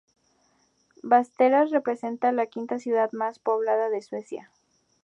Västerås representa la quinta ciudad más poblada de Suecia.